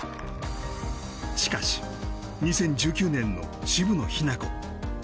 しかし、２０１９年の渋野日向子